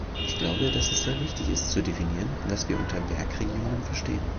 Ich glaube, dass es sehr wichtig ist, zu definieren, was wir unter Bergregionen verstehen.